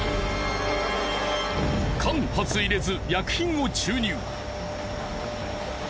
間髪入れず薬品を注入。